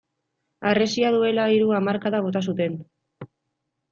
Harresia duela hiru hamarkada bota zuten.